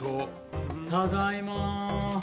ただいま。